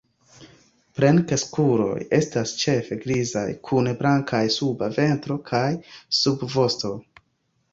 Plenkreskuloj estas ĉefe grizaj kun blankaj suba ventro kaj subvosto.